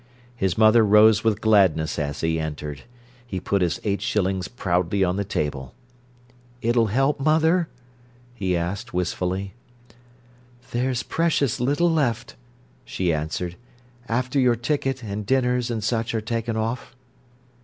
His mother rose with gladness as he entered. He put his eight shillings proudly on the table. "It'll help, mother?" he asked wistfully. "There's precious little left," she answered, "after your ticket and dinners and such are taken off."